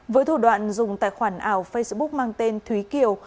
với thủ đoạn dùng tài khoản ảo facebook mang tên thúy kiều